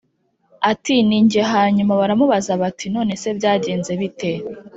ati ni jye Hanyuma baramubaza bati none se byagenze bite